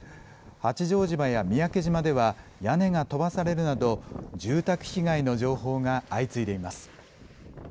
八丈島や三宅島では、屋根が飛ばされるなど、住宅被害の情報が相次いでいます。